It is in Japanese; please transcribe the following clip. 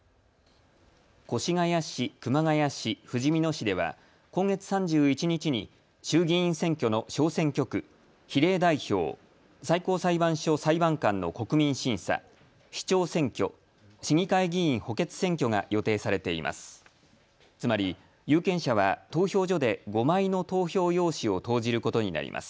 越谷市、熊谷市、ふじみ野市では今月３１日に衆議院選挙の小選挙区、比例代表、最高裁判所裁判官の国民審査、市長選挙、市議会議員補欠選挙が予定されています。